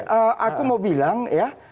jadi aku mau bilang ya